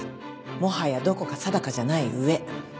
もはやどこか定かじゃない上。